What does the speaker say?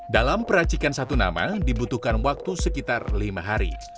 dalam peracikan satu nama dibutuhkan waktu sekitar lima hari